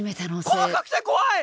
細かくて怖い！